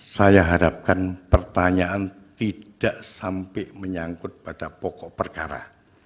saya harapkan pertanyaan tidak sampai menyangkut pada pokok perkara